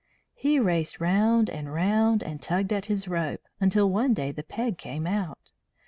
He raced round and round and tugged at his rope, until one day the peg came out.